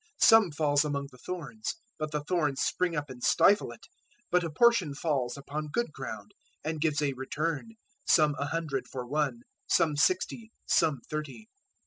013:007 Some falls among the thorns; but the thorns spring up and stifle it. 013:008 But a portion falls upon good ground, and gives a return, some a hundred for one, some sixty, some thirty.